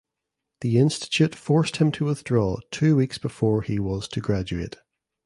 The institute forced him to withdraw two weeks before he was to graduate.